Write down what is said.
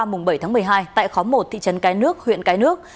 mùng bảy tháng một mươi hai tại khóm một thị trấn cái nước huyện cái nước